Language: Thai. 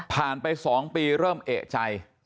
ไป๒ปีเริ่มเอกใจ